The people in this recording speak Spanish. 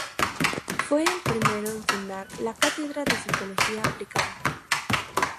Fue el primero en fundar la cátedra de psicología aplicada.